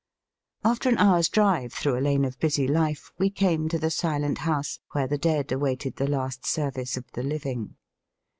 After an hour's drive through a lane of busy life we came to the silent house where the dead awaited the last service of the living.